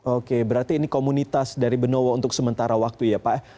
oke berarti ini komunitas dari benowo untuk sementara waktu ya pak